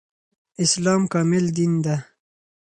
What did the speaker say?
اسلام کامل دين ده